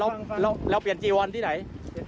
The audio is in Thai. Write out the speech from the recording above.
เปลี่ยนจีวอนที่ไหน